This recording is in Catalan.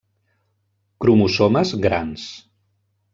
Cromosomes 'grans'.